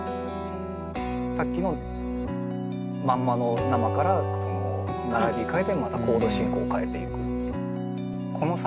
さっきのまんまの生から並び替えてまたコード進行を変えていく。